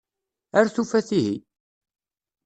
Ar tufat ihi.